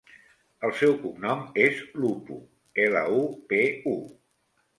El seu cognom és Lupu: ela, u, pe, u.